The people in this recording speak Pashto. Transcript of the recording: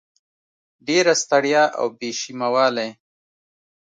ډېره ستړیا او بې شیمه والی